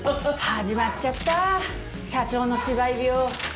始まっちゃった社長の芝居病。